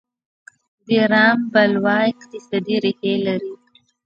د رام بلوا اقتصادي ریښې لرلې.